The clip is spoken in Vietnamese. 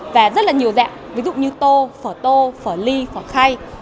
và rất nhiều dạng ví dụ như tô phở tô phở ly phở khay